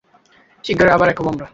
শিগগিরই আবার এক হবো আমরা।